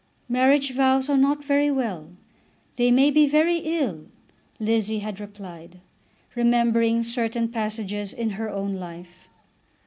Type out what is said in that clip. "Marriage vows are not very well. They may be very ill," Lizzie had replied, remembering certain passages in her own life.